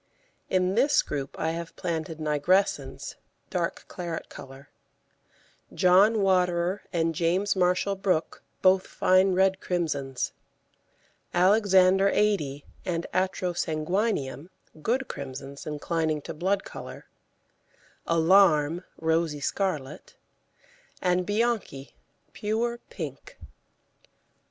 In this group I have planted Nigrescens, dark claret colour; John Waterer and James Marshall Brook, both fine red crimsons; Alexander Adie and Atrosanguineum, good crimsons, inclining to blood colour; Alarm, rosy scarlet; and Bianchi, pure pink.